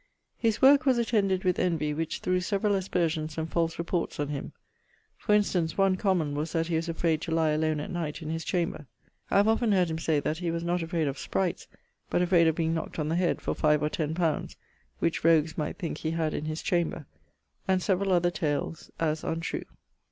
_ His work was attended with envy, which threw severall aspersions and false reports on him. For instance, one (common) was that he was afrayd to lye alone at night in his chamber, [I have often heard him say that he was not afrayd of of sprights, but afrayd of being knockt on the head for five or ten pounds, which rogues might thinke he had in his chamber]; and severall other tales, as untrue.